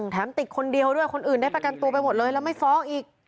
ติดคนเดียวด้วยคนอื่นได้ประกันตัวไปหมดเลยแล้วไม่ฟ้องอีก